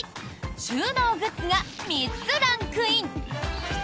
収納グッズが３つランクイン！